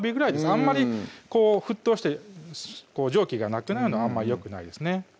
あんまり沸騰して蒸気がなくなるのはあんまりよくないですね